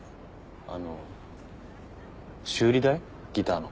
あの修理代ギターの。